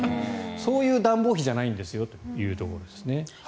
そういう暖房費じゃないんですよというところですね。